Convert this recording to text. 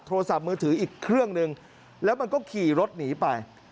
โทรศัพท์มือถืออีกเครื่องหนึ่งแล้วมันก็ขี่รถหนีไป